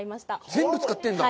全部使ってんだ？